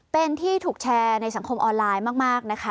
เป็นที่ถูกแชร์ในสังคมออนไลน์มากนะคะ